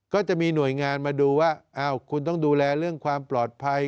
ก็จะมีหน่วยงานมาดูว่าคุณต้องดูแลเรื่องความปลอดภัย